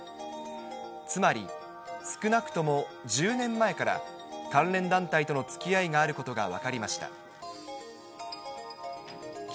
つまり、少なくとも１０年前から、関連団体とのつきあいがあることが分かりました。